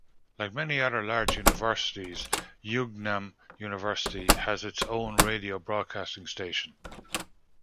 Like many other large universities, Yeungnam University has its own radio broadcasting station.